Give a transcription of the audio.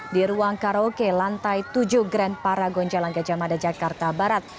di ruang karaoke lantai tujuh grand paragon jalan gajah mada jakarta barat